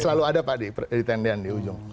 selalu ada pak di tendian di ujung